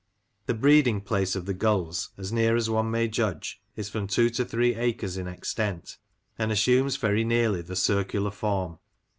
The breeding place of the gulls, as near as one may judge, is from two to three acres in extent, and assumes very nearly the circular form.